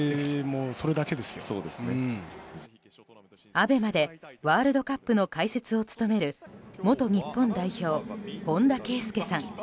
ＡＢＥＭＡでワールドカップの解説を務める元日本代表、本田圭佑さん。